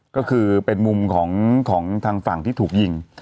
ก็คือเป็นมุมของทางฝั่งที่ถูกยิง